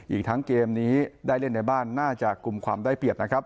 อีกทั้งเกมนี้ได้เล่นในบ้านน่าจะกลุ่มความได้เปรียบนะครับ